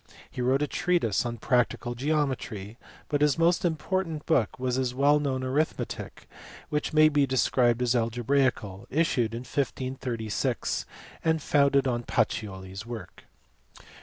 He wrote a treatise on practical geometry, but his most important book was his well known arithmetic (which may be described as algebraical) issued in 1536 and founded on Pacioli s work.